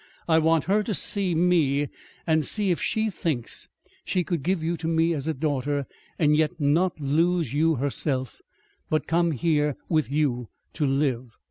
I want her to see me, and see if she thinks she could give you to me as a daughter, and yet not lose you herself, but come here with you to live."